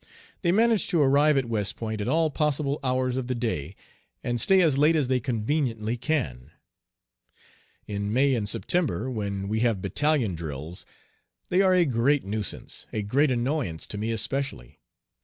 They manage to arrive at West Point at all possible hours of the day, and stay as late as they conveniently can. In May and September, when we have battalion drills, they are a great nuisance, a great annoyance to me especially.